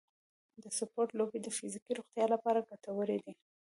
د سپورټ لوبې د فزیکي روغتیا لپاره ګټورې دي.